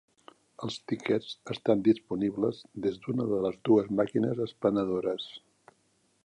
Els tiquets estan disponibles des d'una de les dues màquines expenedores.